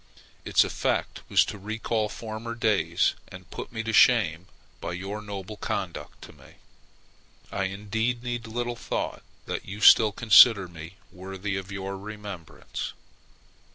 Its effect was to recall former days, and to put me to shame by your noble conduct to me. I, indeed, little thought that you still considered me worthy of your remembrance.